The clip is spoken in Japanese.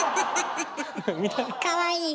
かわいい。